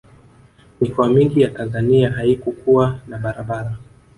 mikoa mingi ya tanzania haikukuwa na barabara